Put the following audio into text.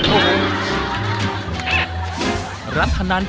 ไปเลยพี่ลุย